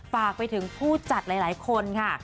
ฝากไปถึงผู้จัดหลายคนค่ะ